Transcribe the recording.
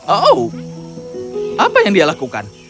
oh apa yang dia lakukan